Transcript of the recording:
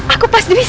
aku pasti akan berdoa